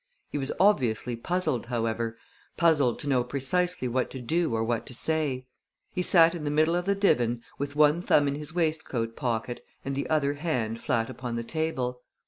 He was obviously puzzled, however puzzled to know precisely what to do or what to say. He sat in the middle of the divan with one thumb in his waistcoat pocket and the other hand flat upon the table.